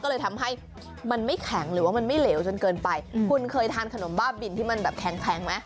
ก็เลยทำให้มันไม่แข็งหรือว่ามันไม่เหลวจนเกินไปคุณเคยทานขนมบ้าบินที่มันแบบแข็งไหม